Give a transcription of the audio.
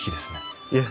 いえ。